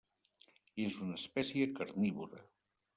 És una espècie carnívora.